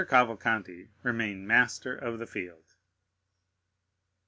Cavalcanti remained master of the field.